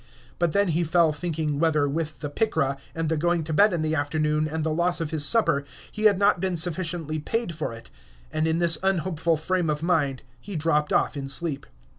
But then he fell thinking whether, with the "picra," and the going to bed in the afternoon, and the loss of his supper, he had not been sufficiently paid for it. And in this unhopeful frame of mind he dropped off in sleep.